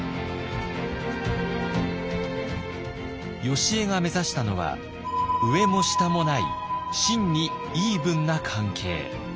よしえが目指したのは上も下もない真にイーブンな関係。